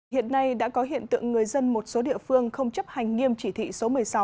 hiện nay đã có hiện tượng người dân một số địa phương không chấp hành nghiêm chỉ thị số một mươi sáu